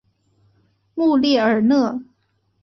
穆列尔讷。